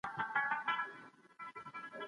په سوسياليستي مفکوره کي هر څه اجتماعي کېږي.